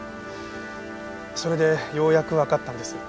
それでようやくわかったんです。